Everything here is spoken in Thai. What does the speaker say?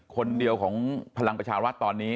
คนเดียวของพลังประชารัฐตอนนี้